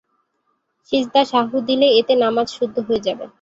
সিজদা সাহু দিলে এতে নামাজ শুদ্ধ হয়ে যাবে।